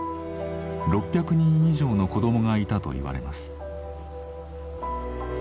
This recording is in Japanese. ６００人以上の子どもがいたといわれます。